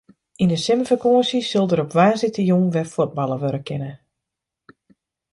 Yn de simmerfakânsje sil der op woansdeitejûn wer fuotballe wurde kinne.